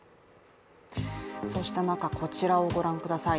そうした中、こちらをご覧ください。